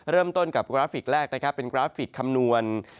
เริ่มต้นกับกราฟิกแรกนะครับเป็นกราฟิกคำนวณ